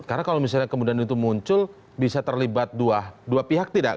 karena kalau misalnya kemudian itu muncul bisa terlibat dua pihak tidak